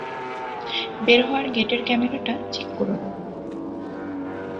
বের হওয়ার গেটের ক্যামেরাটা চেক করুন।